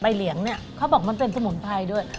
ใบเหลียงเค้าบอกมันเป็นสมุมภัยด้วย